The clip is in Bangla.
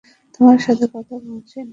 তোমার সাথে কথা বলছি না, জো।